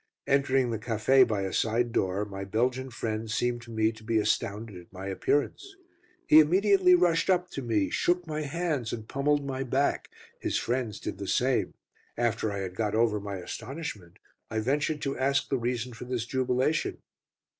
Entering the café by a side door, my Belgian friend seemed to me to be astounded at my appearance. He immediately rushed up to me, shook my hands and pummelled my back. His friends did the same. After I had got over my astonishment, I ventured to ask the reason for this jubilation.